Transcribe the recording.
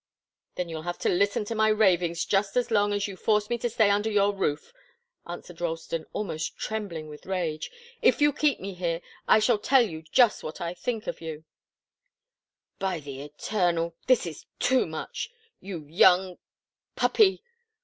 "Then you'll have to listen to my ravings just as long as you force me to stay under your roof," answered Ralston, almost trembling with rage. "If you keep me here, I shall tell you just what I think of you " "By the Eternal this is too much you young puppy!